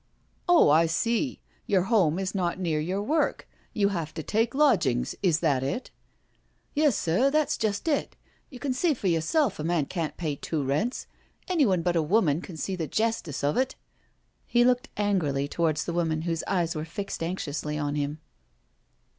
" Oh, I isee, your home is not near your work? You have to take lodgings, is that it?" " Yes, sir, that's just it. You can see for yourself a man can't pay two rents— anyone but a woman can see the jestice of it." He looked angrily towards the woman whose eyes were fixed anxiously on him.